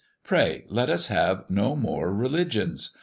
Pray, let us have no more religions.